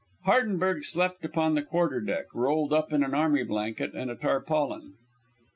Hardenberg slept upon the quarterdeck, rolled up in an army blanket and a tarpaulin.